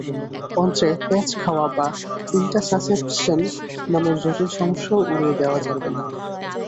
অন্ত্রে প্যাঁচ খাওয়া বা ইনটাসাসেপশন নামের জটিল সমস্যাও উড়িয়ে দেওয়া যাবে না।